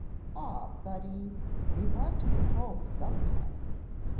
"Aw Buddy, we want to get home sometime!